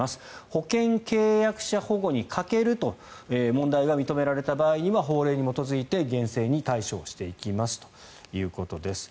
保険契約者保護に欠けると問題が認められた場合には法令に基づいて厳正に対処していきますということです。